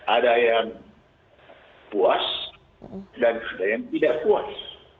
ada yang puas dan ada yang tidak puas